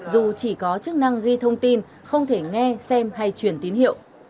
dù chỉ có chức năng ghi thông tin không thể nghe xem hay truyền tín hiệu